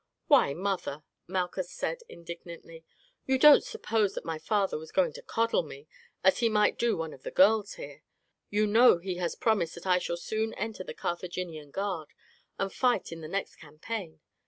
"Why, mother," Malchus said indignantly, "you don't suppose that my father was going to coddle me as he might do one of the girls here. You know he has promised that I shall soon enter the Carthaginian guard, and fight in the next campaign.